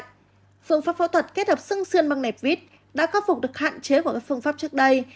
phương pháp phẫu thuật kết hợp sừng sườn bằng nẹp vít đã khắc phục được hạn chế của các phương pháp trước đây